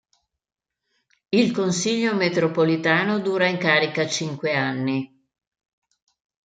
Il consiglio metropolitano dura in carica cinque anni.